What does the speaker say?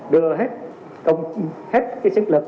đưa hết sức lực